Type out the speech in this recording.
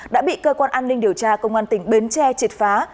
đã bị cơ quan an ninh điều tra công an tỉnh bến tre triệt phá